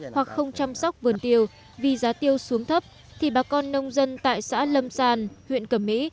hoặc không chăm sóc vườn tiêu vì giá tiêu xuống thấp thì bà con nông dân tại xã lâm sàn huyện cẩm mỹ